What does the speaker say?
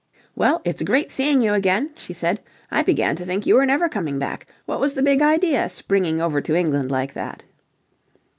"Well, it's great seeing you again," she said. "I began to think you were never coming back. What was the big idea, springing over to England like that?"